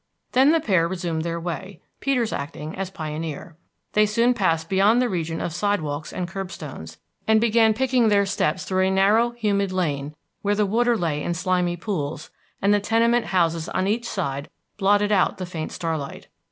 Then the pair resumed their way, Peters acting as pioneer. They soon passed beyond the region of sidewalks and curbstones, and began picking their steps through a narrow, humid lane, where the water lay in slimy pools, and the tenement houses on each side blotted out the faint starlight.